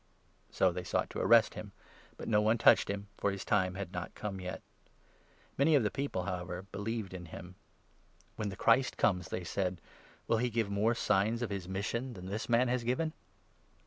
So they sought to arrest him ; but no one touched him, for his 30 time was not come yet. Many of the people, however, 31 believed in him. "When the Christ comes," they said, "will he give more signs of his mission than this man has given